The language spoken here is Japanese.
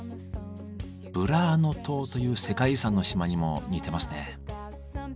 ブラーノ島という世界遺産の島にも似てますね。